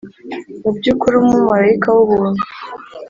mubyukuri umumarayika wubuntu.